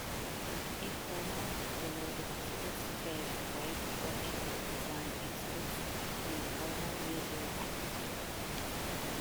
Informal, donated exhibits gave way to professionally designed exhibits in a formal museum atmosphere.